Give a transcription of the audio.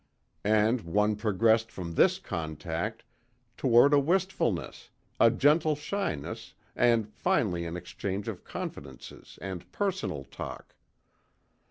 And one progressed from this contact toward a wistfulness, a gentle shyness and finally an exchange of confidences and personal talk.